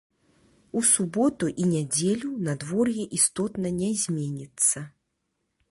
У суботу і нядзелю надвор'е істотна не зменіцца.